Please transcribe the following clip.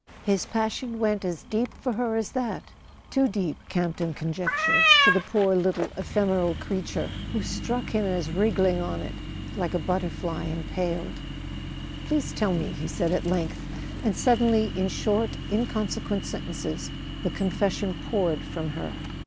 His passion went as deep for her as that—too deep, Campton conjec¬ tured, for the poor little ephemeral creature, who struck him as wriggling on it like a butterfly impaled. "Please tell me," he said at length; and suddenly, in short inconsequent sentences, the confession poured from her.